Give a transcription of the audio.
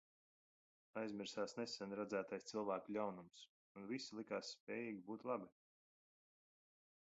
Aizmirsās nesen redzētais cilvēku ļaunums, un visi likās spējīgi būt labi.